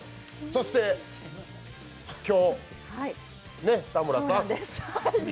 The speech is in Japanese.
そして今日、ね、田村さん。